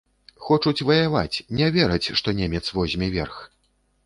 Хочуць ваяваць, не вераць, што немец возьме верх.